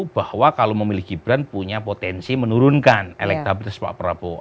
bahwa kalau memilih gibran punya potensi menurunkan elektabilitas pak prabowo